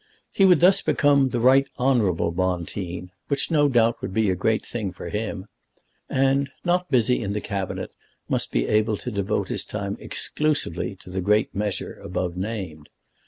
He would thus become the Right Honourable Bonteen, which, no doubt, would be a great thing for him, and, not busy in the Cabinet, must be able to devote his time exclusively to the great measure above named.